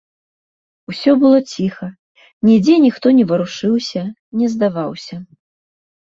Усё было ціха, нідзе ніхто не варушыўся, не здаваўся.